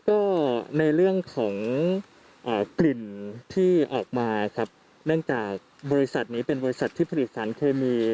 ก็ในเรื่องของกลิ่นที่ออกมาครับเนื่องจากบริษัทนี้เป็นบริษัทที่ผลิตสารเคมี